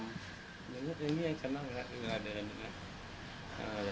เหมือนเงียนเงียนกันมากหนึ่งแล้วเวลาเดินอีกแล้ว